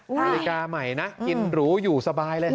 นาฬิกาใหม่นะกินหรูอยู่สบายเลยนะ